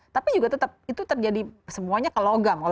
tapi juga tetap itu terjadi semuanya ke logam